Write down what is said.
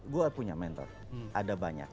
gue punya mentor ada banyak